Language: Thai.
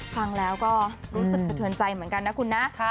ฟังแล้วก็รู้สึกสะเทือนใจเหมือนกันนะคุณนะ